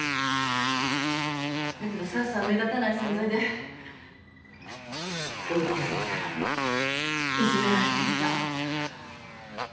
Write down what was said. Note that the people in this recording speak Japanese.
だけど沢さんは目立たない存在で同級生からいじめられていた。